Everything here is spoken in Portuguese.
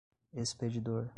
expedidor